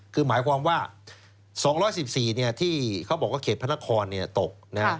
คือหมายความว่า๒๑๔ที่เขาบอกว่าเขตพระนครตก